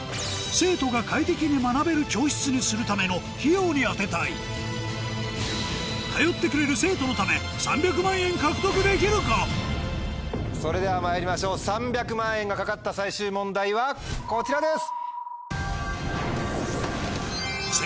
どうしても通ってくれるそれではまいりましょう３００万円が懸かった最終問題はこちらです。